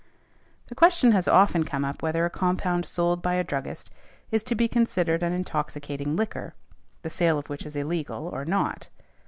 The question has often come up whether a compound sold by a druggist is to be considered an intoxicating liquor, the sale of which is illegal, or not.